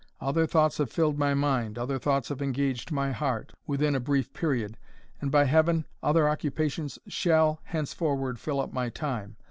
Other thoughts have filled my mind, other thoughts have engaged my heart, within a brief period and by Heaven, other occupations shall henceforward fill up my time.